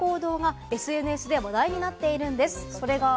このラテちゃんのある行動がＳＮＳで話題になっているんです。